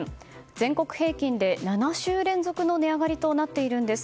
全国平均で７週連続の値上がりとなっているんです。